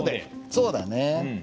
そうだね。